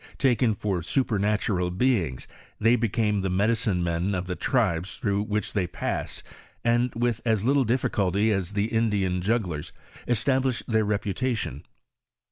Taken for supernatural beings, they became the medicine men of the tribes through which they passed, and, with as little difficulty as the Indian jugglers, established their repu tation.